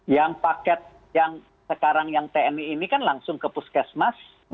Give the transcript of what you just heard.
yang paket yang sekarang yang tni ini kan langsung ke puskesmas